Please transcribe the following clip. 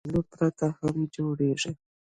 پکورې له کچالو پرته هم جوړېږي